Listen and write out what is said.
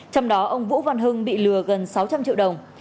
trong đó ông vũ văn hưng bị lừa gần sáu trăm linh triệu đồng